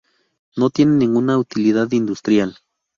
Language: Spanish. No tiene ninguna utilidad industrial.